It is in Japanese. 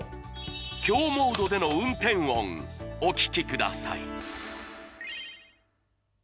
強モードでの運転音お聞きください